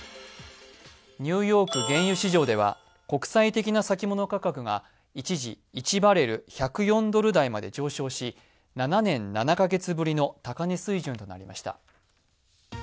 ニューヨーク原油市場では、国際的な先物価格が一時１バレル＝１０４ドル台まで上昇し７年７カ月ぶりの高値水準となりました。